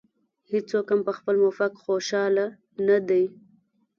هېڅوک هم په خپل موقف خوشاله نه دی.